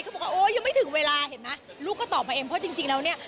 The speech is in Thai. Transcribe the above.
เขายังไม่ได้คิดเรื่องนี้